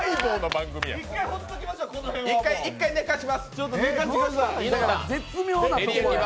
１回、寝かします。